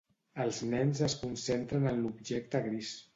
Els nens es concentren en l'objecte gris.